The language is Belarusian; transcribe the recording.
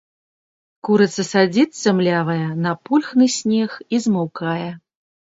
Курыца садзіцца, млявая, на пульхны снег і змаўкае.